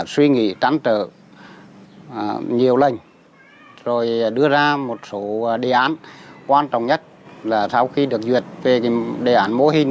suy nghĩ trăn trở nhiều lần rồi đưa ra một số đề án quan trọng nhất là sau khi được duyệt về đề án mô hình